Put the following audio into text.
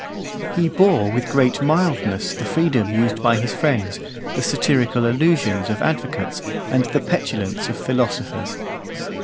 XIII. He bore with great mildness the freedom used by his friends, the satirical allusions of advocates, and the petulance of philosophers.